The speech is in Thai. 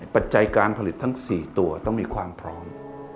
ปัจจัยการผลิตทั้ง๔ตัวต้องมีความพร้อม